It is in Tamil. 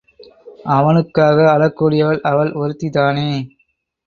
அவனுக்காக அழக்கூடியவள் அவள் ஒருத்திதானே!